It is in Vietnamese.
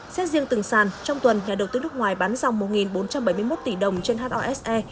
xét riêng từng sàn trong tuần nhà đầu tư nước ngoài bán dòng một bốn trăm bảy mươi một tỷ đồng trên hose